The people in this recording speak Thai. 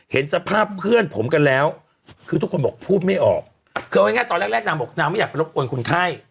เห็นสภาพเพื่อนผมกันแล้วคือทุกคนบอกพูพย์ไม่ออกคือว่าไงตอนแรกนังมันอยากไปรบกวนคนไข้